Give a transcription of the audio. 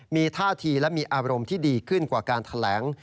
มีท่าทีและมีอารมณ์ที่ดีขึ้นกว่าการแถลง